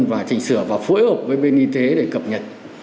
và chỉnh sửa và phối hợp với bên y tế để cập nhật